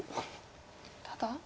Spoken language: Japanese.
ただ。